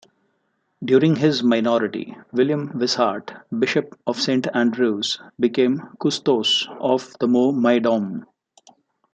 During his minority, William Wishart, Bishop of Saint Andrews, became "custos" of the Mormaerdom.